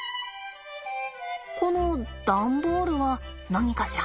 この段ボールは何かしら。